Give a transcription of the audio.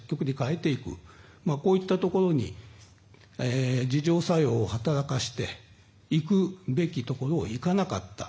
こういったところに自浄作用を働かせていくべきところをいかなかった。